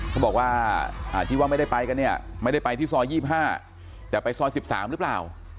เขาบอกว่าที่ว่าไม่ได้ไปกันเนี่ยไม่ได้ไปที่ซอย๒๕แต่ไปซอย๑๓หรือเปล่า